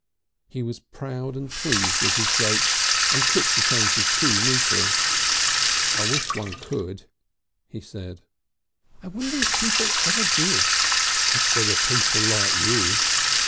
He was proud and pleased with his joke, and quick to change his key neatly. "I wish one could," he said. "I wonder if people ever did!" "If there were people like you."